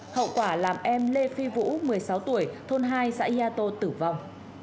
hậu quả làm em lê phi vũ một mươi sáu tuổi thôn hai xã yato tử vong